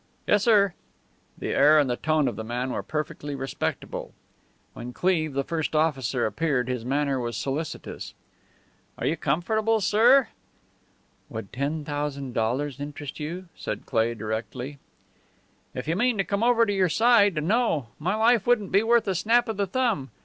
"Yes, sir." The air and the tone of the man were perfectly respectful. When Cleve, the first officer, appeared his manner was solicitous. "Are you comfortable, sir?" "Would ten thousand dollars interest you?" said Cleigh, directly. "If you mean to come over to your side, no. My life wouldn't be worth a snap of the thumb.